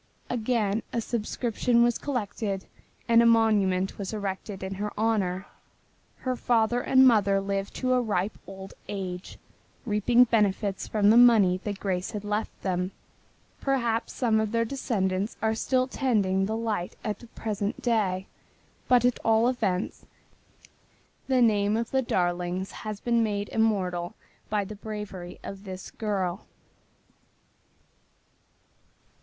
Again a subscription was collected and a monument was erected in her honor. Her father and mother lived to a ripe old age, reaping benefits from the money that Grace had left them. Perhaps some of their descendants are still tending the light at the present day, but at all events the name of the Darlings has been made immortal by the bravery of this girl.